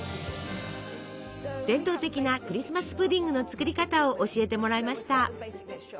伝統的なクリスマス・プディングの作り方を教えてもらいました。